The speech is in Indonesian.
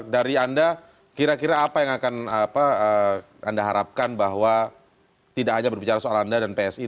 dari anda kira kira apa yang akan anda harapkan bahwa tidak hanya berbicara soal anda dan psi